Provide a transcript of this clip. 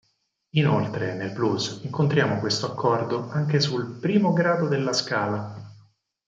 Inoltre, nel blues incontriamo questo accordo anche sul primo grado della scala.